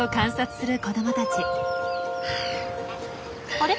あれ？